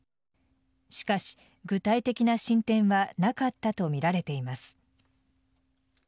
しかし、具体的な進展はなかったとみられています。